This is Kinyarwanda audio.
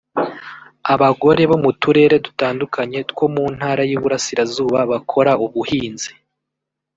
Abagore bo mu turere dutandukanye two mu Ntara y’Iburasirazuba bakora ubuhinzi